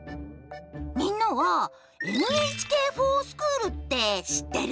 みんなはＮＨＫｆｏｒＳｃｈｏｏｌって知ってる？